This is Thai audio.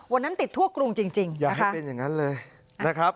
วันนั้นติดทั่วกรุงจริงอย่าให้เป็นอย่างนั้นเลยนะครับ